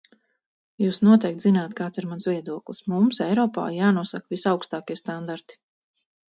Jūs noteikti zināt, kāds ir mans viedoklis: mums Eiropā jānosaka visaugstākie standarti.